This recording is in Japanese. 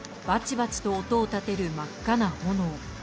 ばちばちと音を立てる真っ赤な炎。